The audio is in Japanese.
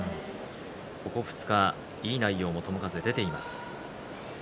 ここ２日、いい内容の友風が出ています。